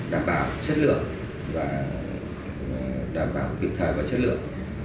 đảm bảo chất lượng và đảm bảo kịp thời và chất lượng